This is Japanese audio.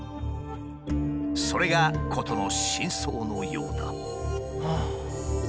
それが事の真相のようだ。